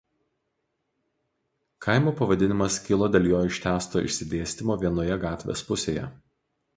Kaimo pavadinimas kilo dėl jo ištęsto išsidėstymo vienoje gatvės pusėje.